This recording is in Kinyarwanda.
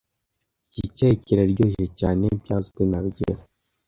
Iki cyayi kiraryoshye cyane byavuzwe na rugero